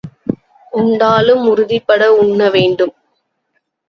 உண்டாலும் உறுதிப்பட உண்ண வேண்டும்.